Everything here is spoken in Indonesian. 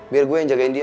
biar gue yang jagain dia